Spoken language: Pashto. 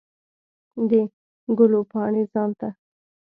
د ګلو پاڼې ځان ته